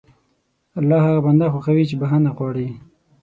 الله هغه بنده خوښوي چې بښنه غواړي.